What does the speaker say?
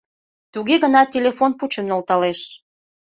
Туге гынат телефон пучым нӧлталеш.